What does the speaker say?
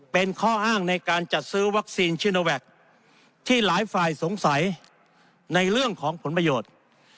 เป็นข้ออ้างในการจัดซื้อวัคซีนชิโนแวคที่หลายฝ่ายสงสัยในเรื่องของผลประโยชน์